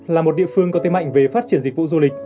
là một địa phương có thế mạnh về phát triển dịch vụ du lịch